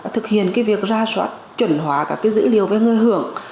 thực hiện việc ra soát chuẩn hóa các dữ liệu về người hưởng